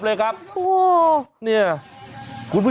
จัดกระบวนพร้อมกัน